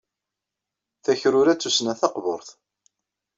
Takrura d tussna taqburt.